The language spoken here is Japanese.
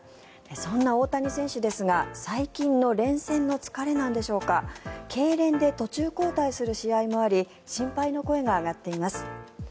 そんな大谷選手ですが最近の連戦の疲れなんでしょうかけいれんで途中交代する試合もあり心配の声が上がっています。